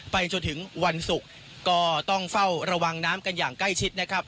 ไปจนถึงวันศุกร์ก็ต้องเฝ้าระวังน้ำกันอย่างใกล้ชิดนะครับ